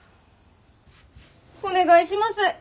お願いします。